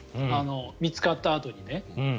見つかったあとにね。